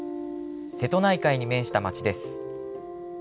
瀬戸内海に面した町です。